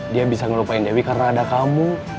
dia bisa ngelupain dewi karena ada kamu